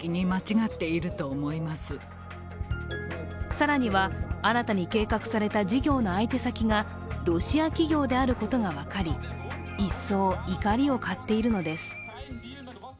更には、新たに計画された事業の相手先がロシア企業であることが分かり、一層、怒りを買っているのです。